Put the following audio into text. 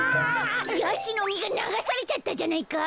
やしのみがながされちゃったじゃないか！